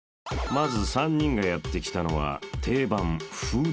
［まず３人がやって来たのは定番］